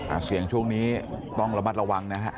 เสียงช่วงนี้ต้องระมัดระวังนะฮะ